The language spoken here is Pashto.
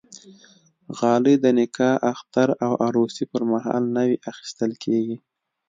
غالۍ د نکاح، اختر او عروسي پرمهال نوی اخیستل کېږي.